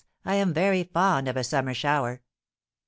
I am very fond of a summer shower."